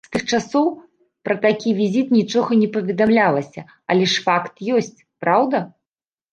З тых часоў пра такі візіт нічога не паведамлялася, але ж факт ёсць, праўда?